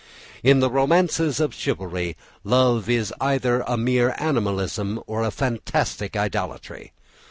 In the romances of chivalry love is either a mere animalism or a fantastic idolatry.